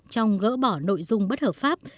trong gỡ bỏ nội dung bất hợp pháp